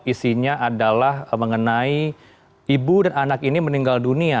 isinya adalah mengenai ibu dan anak ini meninggal dunia